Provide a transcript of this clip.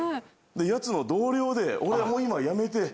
やつの同僚で俺もう今やめて。